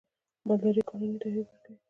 مالداري کورنۍ ته عاید ورکوي.